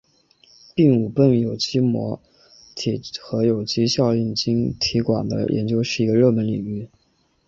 并五苯有机薄膜晶体管和有机场效应晶体管的研究是一个热门领域。